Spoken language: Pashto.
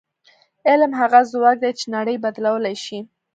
علم هغه ځواک دی چې نړۍ بدلولی شي.